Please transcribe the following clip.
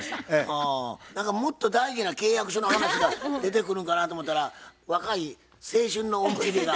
何かもっと大事な契約書の話が出てくるかなと思うたら若い青春の思い出が。